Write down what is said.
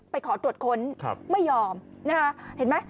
ขอตรวจค้นไม่ยอมนะคะเห็นไหม